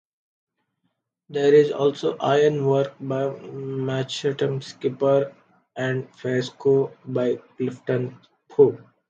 There is also iron work by Matcham Skipper and frescos by Clifton Pugh.